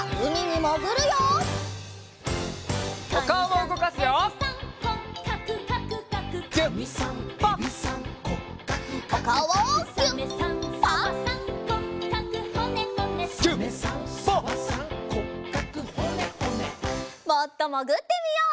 もっともぐってみよう。